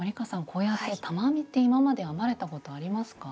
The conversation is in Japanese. こうやって玉編みって今まで編まれたことありますか？